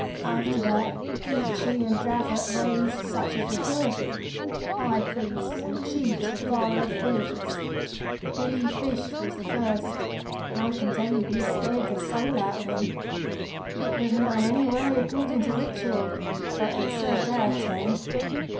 After that, Peachey and Dravot raised such as was worthy—high priests and Chiefs of far off villages. Billy Fish was the first, and I can tell you we scared the soul out of him. It was not in any way according to Ritual, but it served our turn.